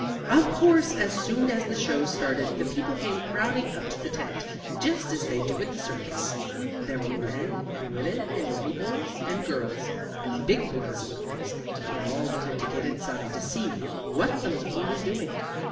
Of course, as soon as the show started the people came crowding up to the tent, just as they do at the circus. There were men and women, and little boys and girls, and big boys and girls, and they all wanted to get inside to see what the monkey was doing.